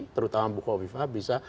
terutama bukofifa bisa